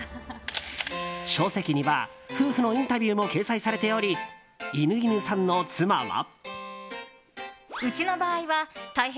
書籍には夫婦のインタビューも掲載されており犬犬さんの妻は。